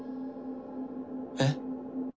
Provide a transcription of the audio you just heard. えっ？